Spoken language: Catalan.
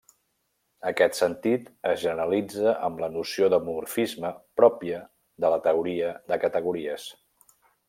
Aquest sentit es generalitza amb la noció de morfisme pròpia de la teoria de categories.